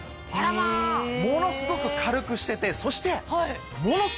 ものすごく軽くしててそしてものすごく。